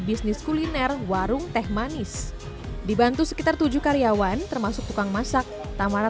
bisnis kuliner warung teh manis dibantu sekitar tujuh karyawan termasuk tukang masak tamara